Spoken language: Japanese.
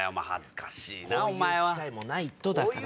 こういう機会もないとだから。